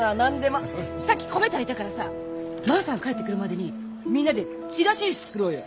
さっき米炊いたからさ万さん帰ってくるまでにみんなでちらし寿司作ろうよ！